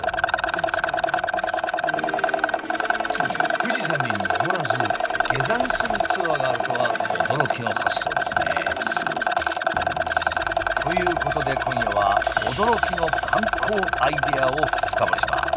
富士山に登らず下山するツアーがあるとは驚きの発想ですね。ということで今夜はを深掘りします。